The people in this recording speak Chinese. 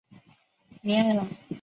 米埃朗。